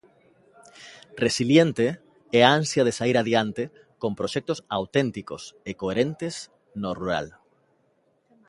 Resiliente é a ansia de saír adiante con proxectos auténticos e coherentes no rural.